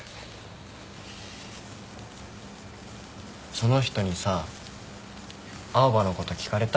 その人にさ青羽のこと聞かれた？